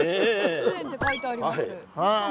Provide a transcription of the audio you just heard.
「通圓」って書いてあります。